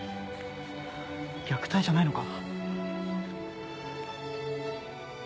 虐待じゃないのか？